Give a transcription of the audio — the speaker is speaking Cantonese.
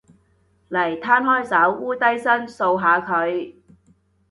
嚟，攤開手，摀低身，掃下佢